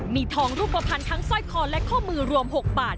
มีทองรูปภัณฑ์ทั้งสร้อยคอและข้อมือรวม๖บาท